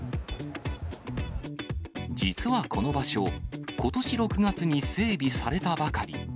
実はこの場所、ことし６月に整備されたばかり。